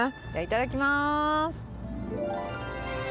いただきます。